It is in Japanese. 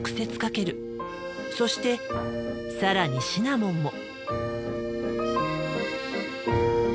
そして更にシナモンも。